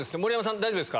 大丈夫ですか？